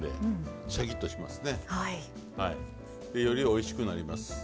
よりおいしくなります。